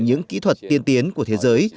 những kỹ thuật tiên tiến của thế giới